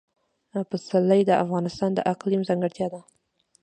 پسرلی د افغانستان د اقلیم ځانګړتیا ده.